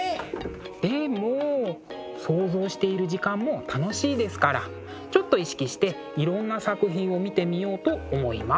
でも想像している時間も楽しいですからちょっと意識していろんな作品を見てみようと思います。